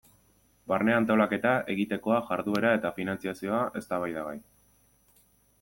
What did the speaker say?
Barne antolaketa, egitekoa, jarduera eta finantzazioa eztabaidagai.